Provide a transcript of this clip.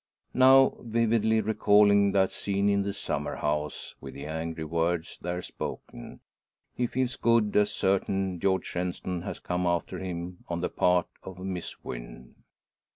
Now vividly recalling that scene in the summer house, with the angry words there spoken, he feels good as certain George Shenstone has come after him on the part of Miss Wynn.